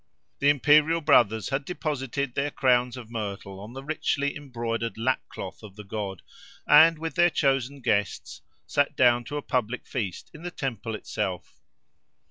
The imperial brothers had deposited their crowns of myrtle on the richly embroidered lapcloth of the god; and, with their chosen guests, sat down to a public feast in the temple itself.